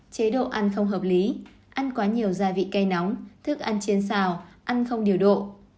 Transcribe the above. chế độ ăn không hợp lý ăn quá nhiều gia vị cây nóng thức ăn chiến xào ăn không điều độ